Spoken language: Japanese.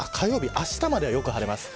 あしたまでは、よく晴れます。